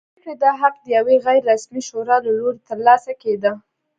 د پرېکړې دا حق د یوې غیر رسمي شورا له لوري ترلاسه کېده.